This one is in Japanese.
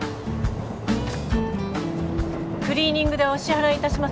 クリーニング代お支払いいたしますんで。